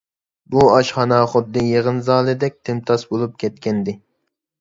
بۇ ئاشخانا خۇددى يىغىن زالىدەك تىمتاس بولۇپ كەتكەنىدى.